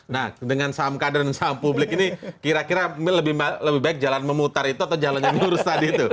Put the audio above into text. nah dengan saham kader dan saham publik ini kira kira lebih baik jalan memutar itu atau jalan yang lurus tadi itu